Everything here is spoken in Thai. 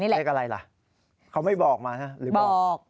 เลขอะไรล่ะเขาไม่บอกมานะหรือบอก